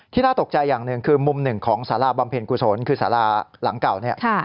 น่าตกใจอย่างหนึ่งคือมุมหนึ่งของสาราบำเพ็ญกุศลคือสาราหลังเก่าเนี่ย